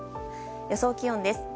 予想気温です。